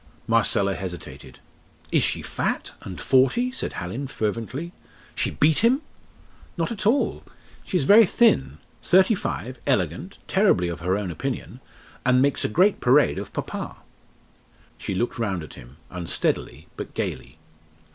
Marcella hesitated. "Is she fat and forty?" said Hallin, fervently she beat him?" "Not at all. She is very thin thirty five, elegant, terribly of her own opinion and makes a great parade of 'papa.'" She looked round at him, unsteadily, but gaily.